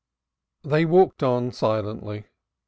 They walked on silently.